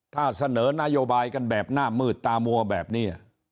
ถ้าเสนอนโยบายกันแบบหน้ามืดตามัวแบบนี้